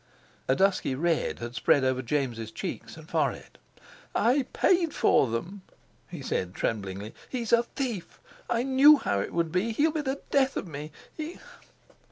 A dusky red had spread over James' cheeks and forehead. "I paid for them," he said tremblingly; "he's a thief! I—I knew how it would be. He'll be the death of me; he